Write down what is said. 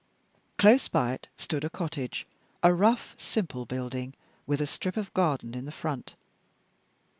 Close by it stood a cottage a rough, simple building, with a strip of garden in front.